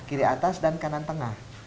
kiri atas dan kanan tengah